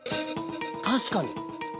確かに！